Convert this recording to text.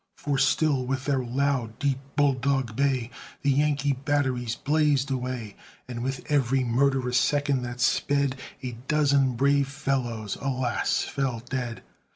For still with their loud, deep, bull dog bay, The Yankee batteries blazed away, And with every murderous second that sped A dozen brave fellows, alas! fell dead.